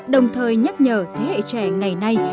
đồng thời nhắc nhở thế hệ trẻ ngày nay